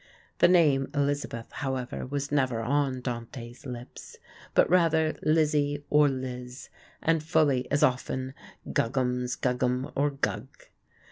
The name Elizabeth, however, was never on Dante's lips; but rather Lizzie or Liz, and fully as often Guggums, Guggum, or Gug.